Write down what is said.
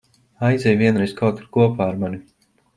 Aizej vienreiz kaut kur kopā ar mani.